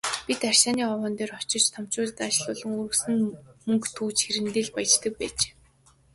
Бид рашааны овоон дээр очиж томчуудад аашлуулан, өргөсөн мөнгө түүж хэрдээ л «баяждаг» байж.